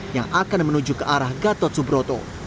yang akan menuju ke arah gatot subroto